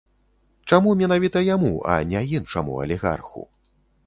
Чаму менавіта яму, а не іншаму алігарху?